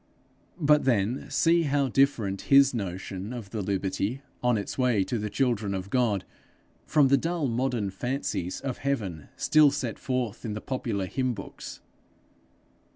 But then see how different his notion of the liberty on its way to the children of God, from the dull modern fancies of heaven still set forth in the popular hymn books!